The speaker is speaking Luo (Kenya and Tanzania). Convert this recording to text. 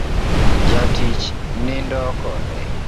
Jatich nindo kode